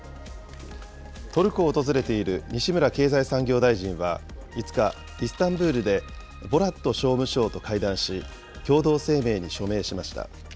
トルコを訪れている西村経済産業大臣は５日、イスタンブールでボラット商務相と会談し、共同声明に署名しました。